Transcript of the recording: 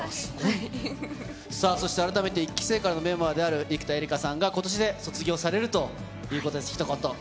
改めて１期生からのメンバーである生田絵梨花さんが今年で卒業されるということです。